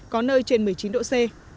có nơi trên một mươi chín độ c